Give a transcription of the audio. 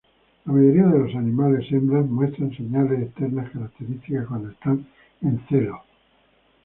La mayoría de los animales hembras muestran señales externas características cuando están "en celo".